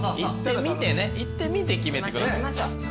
行ってみて決めてください。